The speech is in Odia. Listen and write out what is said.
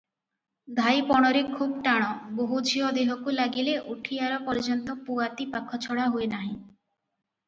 ଧାଇପଣରେ ଖୁବ୍ ଟାଣ-ବୋହୂଝିଅ ଦେହକୁ ଲାଗିଲେ ଉଠିଆରି ପର୍ଯ୍ୟନ୍ତ ପୁଆତି ପାଖଛଡ଼ା ହୁଏନାହିଁ ।